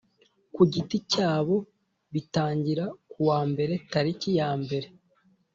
ku giti cyabo bitangira kuwa mbere tariki ya mbere